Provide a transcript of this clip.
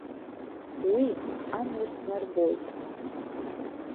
Уи амҩа снарбоит.